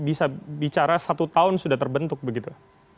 bisa bicara satu tahun sudah terbentuk begitu